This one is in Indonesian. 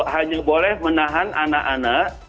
hanya boleh menahan anak anak